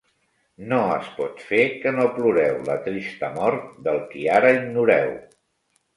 No es pot fer que no ploreu la trista mort del qui ara ignoreu.